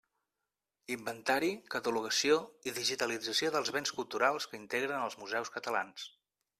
Inventari, catalogació i digitalització dels béns culturals que integren els museus catalans.